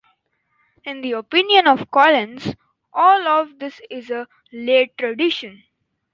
In the opinion of Collins, all of this is a late tradition.